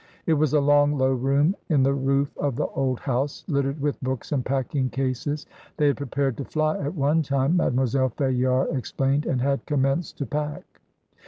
It was a long, low room in the roof of the old house, littered with books and packing cases. They had prepared to fly at one time, Mademoiselle Fayard explained, and had commenced to pack.